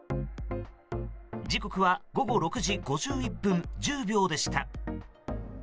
時刻は午後６時５１分１０秒でした。